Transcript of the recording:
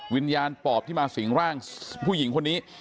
วิญญาณปอบที่มาสิงร่างผู้หญิงคนนี้